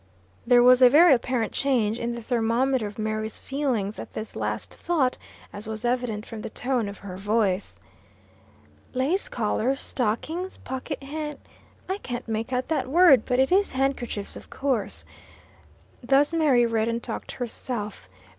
There was a very apparent change in the thermometer of Mary's feelings at this last thought, as was evident from the tone of her voice. "Lace collars stockings pocket han . I can't make out that word, but it is handkerchiefs, of course," thus Mary read and talked to herself.